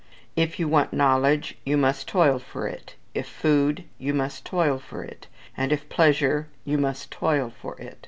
If you want knowledge, you must toil for it: if food, you must toil for it; and if pleasure, you must toil for it.